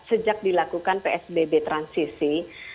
sejak dilakukan psbb transisi